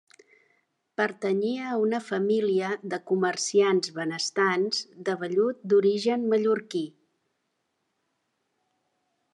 Pertanyia a una família de comerciants benestants de vellut d'origen mallorquí.